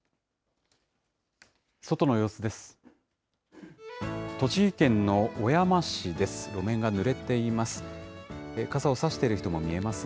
外の様子です。